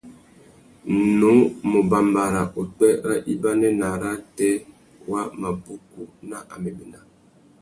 Nnú mù bambara upwê râ ibanê nà arrātê wa mabukú nà améména.